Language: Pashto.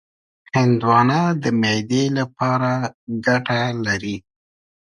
هندوانه د معدې لپاره ګټه لري.